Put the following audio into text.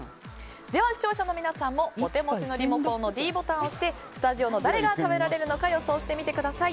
視聴者の皆さんもお手持ちのリモコンのｄボタンを押してスタジオの誰が食べられるのか予想してみてください。